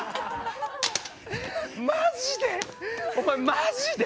マジで？